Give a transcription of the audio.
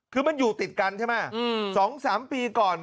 คือมันอยู่ติดกันใช่ไหม๒๓ปีก่อน